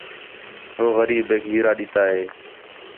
ہو غریب ہِک ہیرا ݙِتّا ہِے